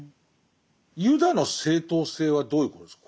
ユダの正当性はどういうことですか？